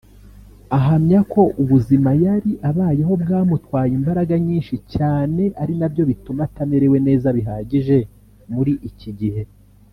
Ahamya ko ubuzima yari abayeho bwamutwaye imbaraga nyinshi cyane ari nabyo bituma atamerewe neza bihagije muri iki gihe